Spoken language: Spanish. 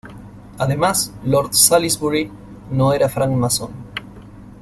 Además, Lord Salisbury no era francmasón.